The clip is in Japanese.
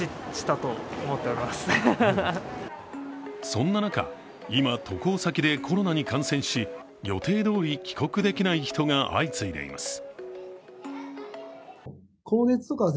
そんな中、今、渡航先でコロナに感染し予定どおり帰国できない人が相次いでいます。